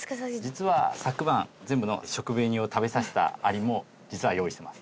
実は昨晩全部の食紅を食べさせたアリも実は用意してます。